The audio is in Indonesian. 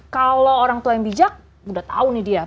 kalau orang tua yang bijak udah tahu nih dia